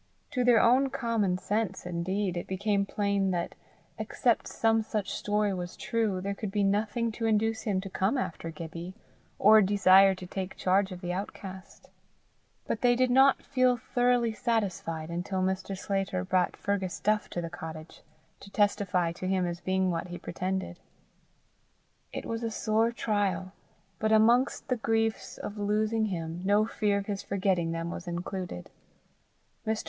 To their own common sense indeed it became plain that, except some such story was true, there could be nothing to induce him to come after Gibbie, or desire to take charge of the outcast; but they did not feel thoroughly satisfied until Mr. Sclater brought Fergus Duff to the cottage, to testify to him as being what he pretended. It was a sore trial, but amongst the griefs of losing him, no fear of his forgetting them was included. Mr.